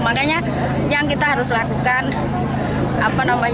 makanya yang kita harus lakukan